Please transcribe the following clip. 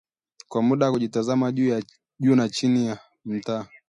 kwa muda na kutazama juu na chini ya mtaa